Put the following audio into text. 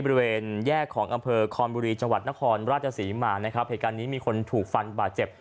บริเวณแยกของอำเภอคอนบุรีจังหวัดนครราชศรีมานะครับเหตุการณ์นี้มีคนถูกฟันบาดเจ็บ